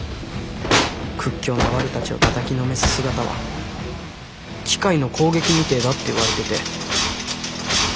屈強なワルたちをたたきのめす姿は機械の攻撃みてえだって言われてて。